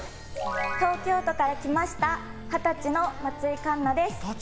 東京都から来ました二十歳の松井栞菜です。